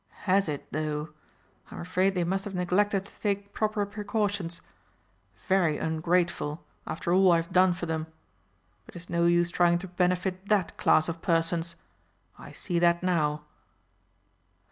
"Has it, though? I'm afraid they must have neglected to take proper precautions. Very ungrateful, after all I've done for them! But it's no use trying to benefit that class of persons. I see that now."